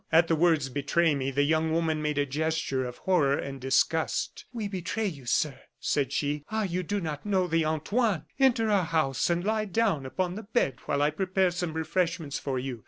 At the words "betray me," the young woman made a gesture of horror and disgust. "We betray you, sir!" said she. "Ah! you do not know the Antoines! Enter our house, and lie down upon the bed while I prepare some refreshments for you.